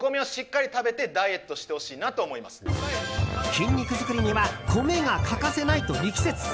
筋肉作りには米が欠かせないと力説。